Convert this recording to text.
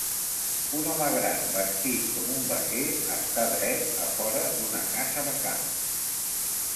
Un home gran vestit com un vaquer està dret a fora d'una casa de camp.